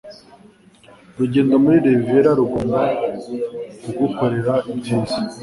Urugendo muri Riviera rugomba kugukorera ibyiza.